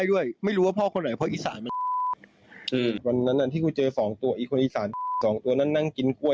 วันนั้นที่กูเจอ๒ตัวคุณอีสานสำส่องตัวนั้นนั่งกินก้วย